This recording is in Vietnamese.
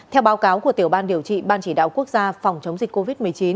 theo báo cáo của tiểu ban điều trị ban chỉ đạo quốc gia phòng chống dịch covid một mươi chín